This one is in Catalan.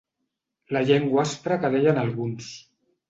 La llengua aspra que deien alguns.